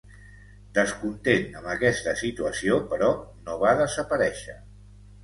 Descontent amb aquesta situació, però, no va desaparèixer.